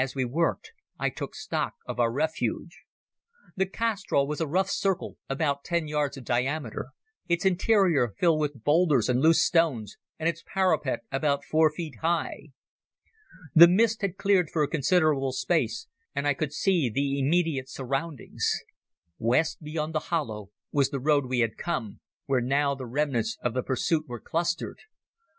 As we worked I took stock of our refuge. The castrol was a rough circle about ten yards in diameter, its interior filled with boulders and loose stones, and its parapet about four feet high. The mist had cleared for a considerable space, and I could see the immediate surroundings. West, beyond the hollow, was the road we had come, where now the remnants of the pursuit were clustered.